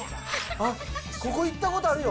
あっ、ここ行ったことあるよ。